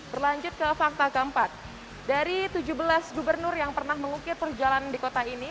berlanjut ke fakta keempat dari tujuh belas gubernur yang pernah mengukir perjalanan di kota ini